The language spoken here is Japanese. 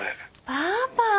パパ！